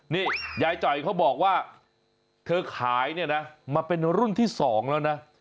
นี่ยายจ่อยเขาบอกว่าเธอขายเนี่ยนะมาเป็นรุ่นที่๒แล้วนะ